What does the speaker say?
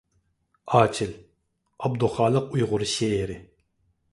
«ئاچىل» — ئابدۇخالىق ئۇيغۇر شېئىرى.